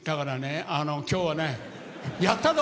今日は、やったぞ！